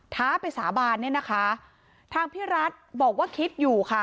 ท้าไปสาบานเนี่ยนะคะทางพี่รัฐบอกว่าคิดอยู่ค่ะ